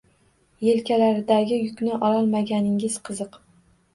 Yelkalaridagi yukni ololmaganingiz qiziq.